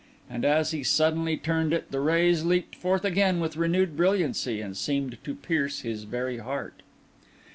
And as he suddenly turned it, the rays leaped forth again with renewed brilliancy, and seemed to pierce his very heart.